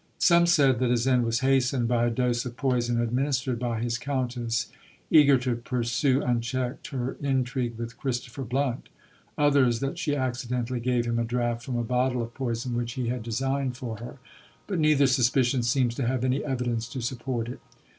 Some said that his end was hastened by a dose of poison administered by his Countess, eager to pursue unchecked her intrigue with Christopher Blount; others that she accidentally gave him a draught from a bottle of poison which he had designed for her. But neither suspicion seems to have any evidence to support it.